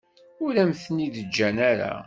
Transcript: Ur am-ten-id-ǧǧan ara.